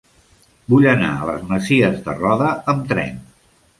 Vull anar a les Masies de Roda amb tren.